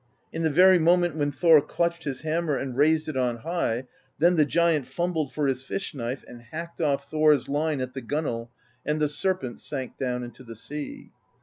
In the very moment when Thor clutched his hammer and raised it on high, then the giant fumbled for his fish knife and hacked off" Thor's line at the gunwale, and the Serpent sank down into the sea.